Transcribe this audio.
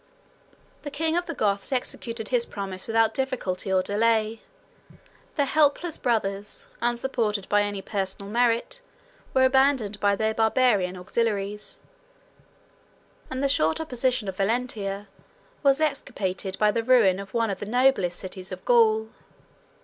The king of the Goths executed his promise without difficulty or delay; the helpless brothers, unsupported by any personal merit, were abandoned by their Barbarian auxiliaries; and the short opposition of Valentia was expiated by the ruin of one of the noblest cities of Gaul.